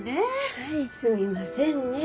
はいすみませんねぇ。